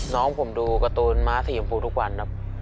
น้องผมดูการ์ตูนม้าสีชมพูทุกวันครับ